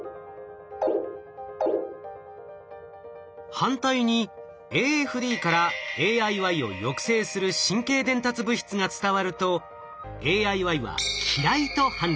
反対にＡＦＤからＡＩＹを抑制する神経伝達物質が伝わるとＡＩＹは「嫌い」と判断。